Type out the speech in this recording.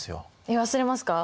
えっ忘れますか？